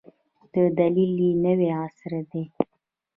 د دلیل یې نوی عصر دی.